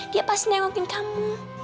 dia pasti nengokin kamu